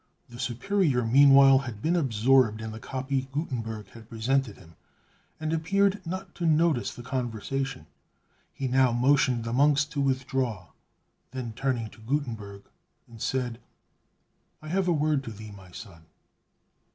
The Superior meanwhile had been absorbed in the copy Gutenberg had presented him, and appeared not to notice the conversation. He now motioned the monks to withdraw; then, turning to Gutenberg, said, "I have a word to thee, my son!"